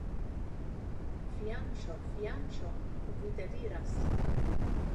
Fianĉo, fianĉo, vi deliras!